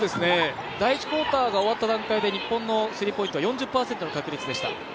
第１クオーターが終わった段階で日本のスリーポイントは４０％の確率でした。